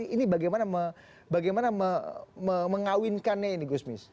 ini bagaimana mengawinkannya ini gusmis